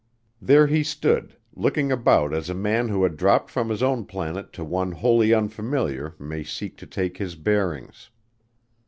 There he stood looking about as a man who has dropped from his own planet to one wholly unfamiliar may seek to take his bearings.